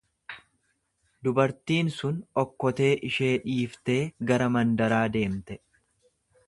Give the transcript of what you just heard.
Dubartiin sun okkotee ishee dhiiftee gara mandaraa deemte.